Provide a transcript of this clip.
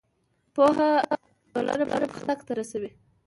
پوهه ټولنه پرمختګ ته رسوي.